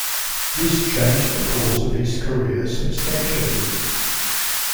This changed the course of his career substantially.